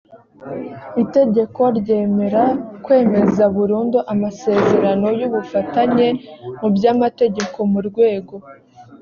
itegeko ryemera kwemeza burundu amasezerano y ubufatanye mu by amategeko mu rwego